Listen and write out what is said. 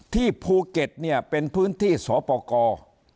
ที่ภูเก็ตเนี่ยเป็นพื้นที่สปกร